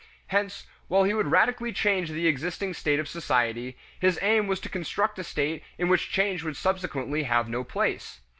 Hence while he would radically change the existing state of society, his aim was to construct a state in which change would subsequently have no place.